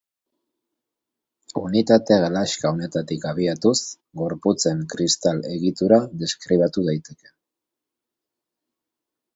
Unitate-gelaxka honetatik abiatuz, gorputzen kristal-egitura deskribatu daiteke.